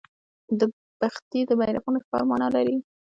بخدي د بیرغونو ښار مانا لري